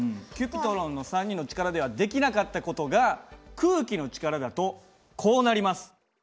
Ｃｕｐｉｔｒｏｎの３人の力ではできなかった事が空気の力だとこうなります。